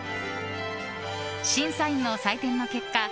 審査員の採点の結果